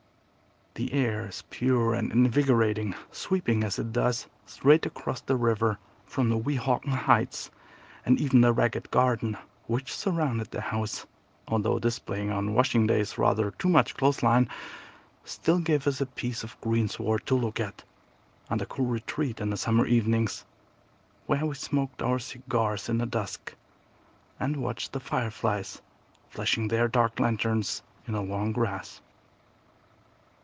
The air is pure and invigorating, sweeping, as it does, straight across the river from the Weehawken heights, and even the ragged garden which surrounded the house, although displaying on washing days rather too much clothesline, still gave us a piece of greensward to look at, and a cool retreat in the summer evenings, where we smoked our cigars in the dusk, and watched the fireflies flashing their dark lanterns in the long grass.